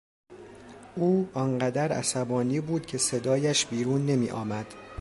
او آن قدر عصبانی بود که صدایش بیرون نمیآمد.